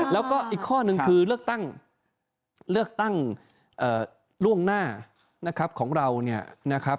แล้วก็อีกข้อหนึ่งคือเลือกตั้งเลือกตั้งล่วงหน้าของเรา